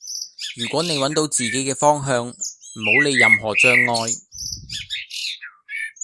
如果你搵到自己嘅方向,唔好理任何障礙